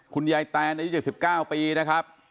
คุณยายแต่ในยุคจาก๑๙ปีนะครับ